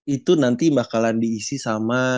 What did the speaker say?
itu nanti bakalan diisi sama